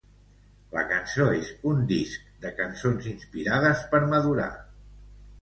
La cançó és un disc de cançons inspirades per madurar.